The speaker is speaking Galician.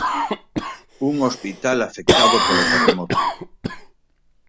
Un hospital afectado polo terremoto.